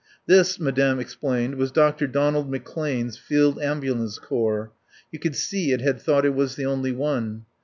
This, Madame explained, was Dr. Donald McClane's Field Ambulance Corps. You could see it had thought it was the only one.